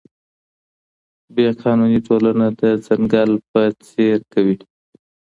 بې قانوني ټولنه د ځنګل په څېر کوي.